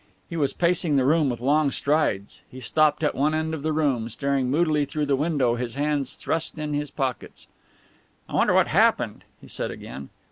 He was pacing the study with long strides. He stopped at one end of the room staring moodily through the window, his hands thrust in his pockets. "I wonder what happened," he said again.